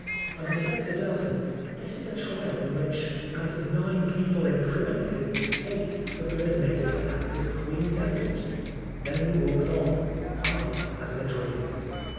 And I said to Dowson, " This is a trial in which, out of nine people incriminated, eight have been admitted to act as Queen's Evidence." Then we walked on I as in a dream.